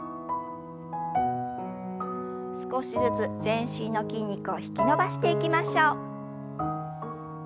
少しずつ全身の筋肉を引き伸ばしていきましょう。